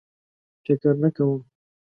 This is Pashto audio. فکر نه کوم.